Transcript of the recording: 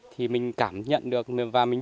thì mình cảm nhận được và mình